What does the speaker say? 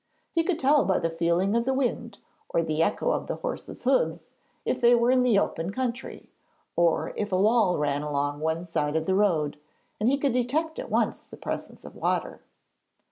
He could tell by the feeling of the wind or the echo of the horses' hoofs if they were in the open country, or if a wall ran along one side of the road, and he could detect at once the presence of water.